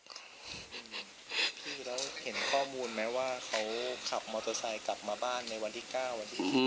พี่แล้วเห็นข้อมูลไหมว่าเขาขับมอเตอร์ไซค์กลับมาบ้านในวันที่๙วันที่๒